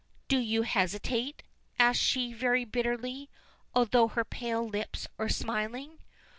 "Do you hesitate?" asks she very bitterly, although her pale lips are smiling.